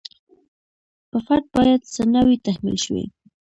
په فرد باید څه نه وي تحمیل شوي.